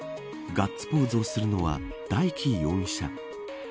ガッツポーズをするのは大祈容疑者。